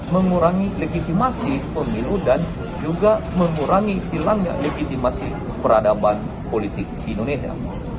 mengurangi legitimasi pemilu dan juga mengurangi hilangnya legitimasi peradaban politik di indonesia